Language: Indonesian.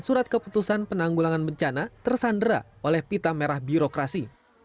surat keputusan penanggulangan bencana tersandera oleh pita merah birokrasi